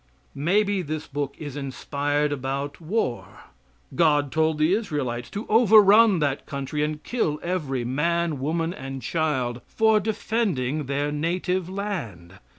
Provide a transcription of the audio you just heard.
May be this book is inspired about war. God told the Israelites to overrun that country, and kill every man, woman and child for defending their native land.